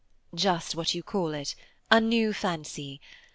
"Just what you call it, a new fancy.